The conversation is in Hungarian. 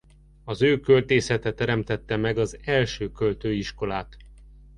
Az ő költészete teremtette meg az első költői iskolát.